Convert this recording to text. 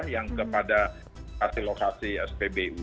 yang kepada lokasi lokasi spbu